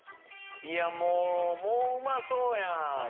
いやもうもううまそうやん！